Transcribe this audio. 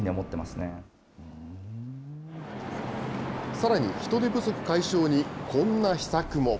さらに、人手不足解消に、こんな秘策も。